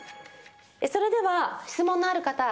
それでは質問のある方